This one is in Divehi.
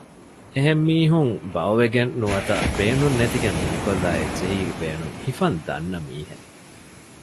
އެހެން މީހުން ބައުވެގެން ނުވަތަ ބޭނުން ނެތިގެން ދޫކޮށްލާ އެއްޗެހީގެ ބޭނުން ހިފަން ދަންނަ މީހެއް